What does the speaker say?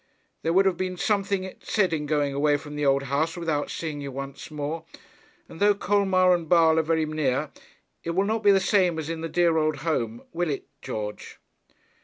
There would have been something sad in going away from the old house without seeing you once more. And though Colmar and Basle are very near, it will not be the same as in the dear old home; will it, George?'